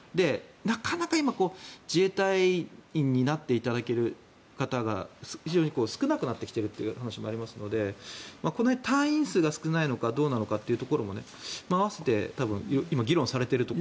なかなか今自衛隊員になっていただける方が非常に少なくなってきているという話もありますので隊員数が少ないのかどうなのかというところも併せて多分、今、議論されていると。